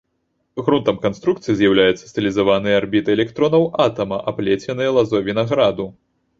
Грунтам канструкцыі з'яўляюцца стылізаваныя арбіты электронаў атама, аплеценыя лазой вінаграду.